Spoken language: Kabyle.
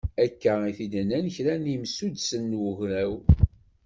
Akka i t-id-nnan kra n yimsuddsen n ugraw.